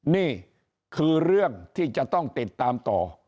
นี่คือเรื่องที่จะต้องติดตามต่อ